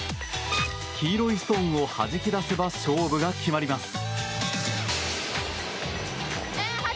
黄色のストーンをはじき出せば勝負が決まります。